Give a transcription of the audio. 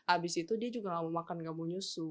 abis itu dia juga gak mau makan gak mau nyusu